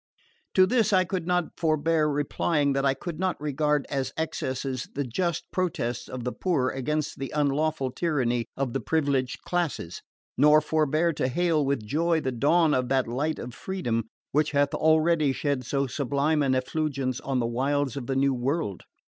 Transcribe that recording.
To this I could not forbear replying that I could not regard as excesses the just protests of the poor against the unlawful tyranny of the privileged classes, nor forbear to hail with joy the dawn of that light of freedom which hath already shed so sublime an effulgence on the wilds of the New World.